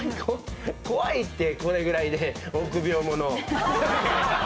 怖いってこれぐらいで臆病者。